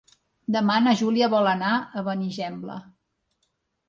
Demà na Júlia vol anar a Benigembla.